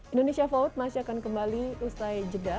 indonesia forward masih akan kembali usai jeda